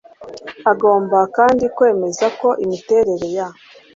Agomba kandi kwemeza ko imiterere ya